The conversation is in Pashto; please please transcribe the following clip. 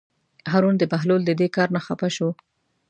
هارون د بهلول د دې کار نه خپه شو.